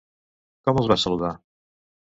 Com els va saludar?